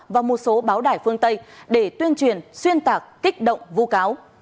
và một số báo đài phương tây để tuyên truyền xuyên tạc kích động vu cáo